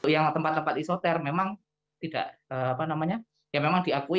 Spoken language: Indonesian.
yang tempat tempat isoter memang tidak apa namanya ya memang diakui